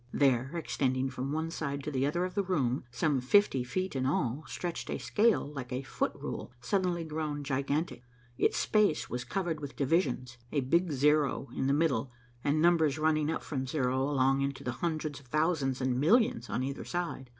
There, extending from one side to the other of the room, some fifty feet in all, stretched a scale like a foot rule suddenly grown gigantic. Its space was covered with divisions, a big zero in the middle and numbers running up from zero into the hundreds of thousands and millions on either side.